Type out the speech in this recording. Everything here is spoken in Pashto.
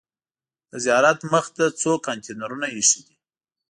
د زیارت مخې ته څو کانتینرونه ایښي دي.